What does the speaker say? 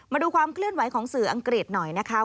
มาดูความเคลื่อนไหวของสื่ออังกฤษหน่อยนะคะ